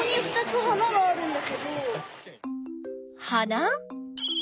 花？